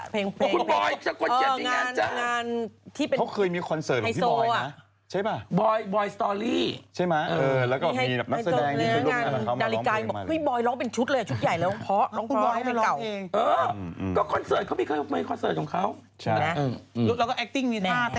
เพราะคุณบอยช่างคนเจ็ดมีงานจ้าม